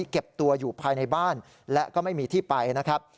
เก็บตัวอยู่ภายในบ้านและก็ไม่มีที่ไปนะครับ